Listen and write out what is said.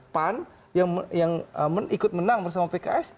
pan yang ikut menang bersama pks